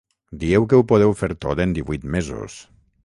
Dieu que ho podeu fer tot en divuit mesos.